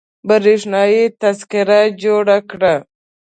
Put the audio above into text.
برېښنايي تذکره جوړه کړه